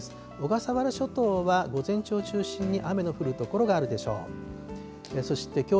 小笠原諸島は午前中を中心に雨の降る所があるでしょう。